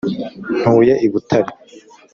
ntuye i butare.